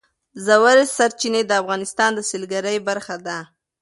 ژورې سرچینې د افغانستان د سیلګرۍ برخه ده.